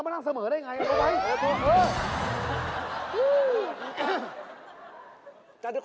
เพราะฉากเรียนวิชา